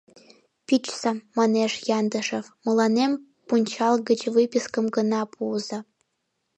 — Пӱчса, — манеш Яндышев, — мыланем пунчал гыч выпискым гына пуыза.